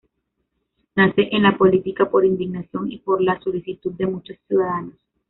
Nace en la política por indignación y por la solicitud de muchos ciudadanos.